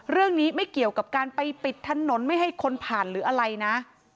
ไม่เกี่ยวกับการไปปิดถนนไม่ให้คนผ่านหรืออะไรนะ